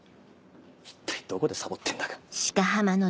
一体どこでサボってんだか。